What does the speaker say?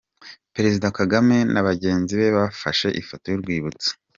Perezida Kagame na bagenzi be bafashe ifoto y'urwibutso.